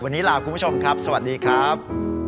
วันนี้ลาคุณผู้ชมครับสวัสดีครับ